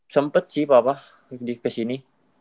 sempet sih papa di kesini